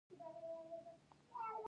صبر د بریا لاره ده.